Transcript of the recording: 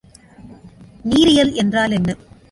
நீரியல் என்றால் என்ன?